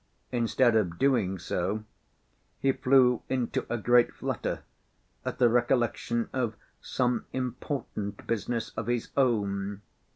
Instead of doing so, he flew into a great flutter at the recollection of some important business of his own.